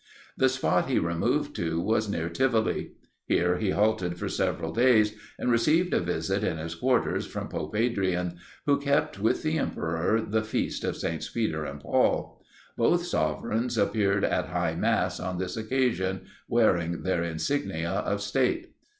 The spot he removed to was near Tivoli. Here he halted for several days, and received a visit in his quarters from Pope Adrian, who kept with the emperor the feast of SS. Peter and Paul. Both sovereigns appeared at high mass on this occasion wearing their insignia of state.